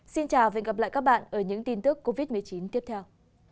xin chào và hẹn gặp lại các bạn ở những tin tức covid một mươi chín tiếp theo